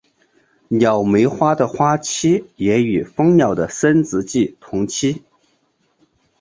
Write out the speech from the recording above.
鸟媒花的花期也与蜂鸟的生殖季同期。